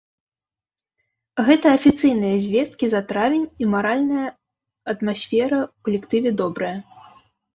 Гэта афіцыйныя звесткі за травень і маральная атмасфера ў калектыве добрая.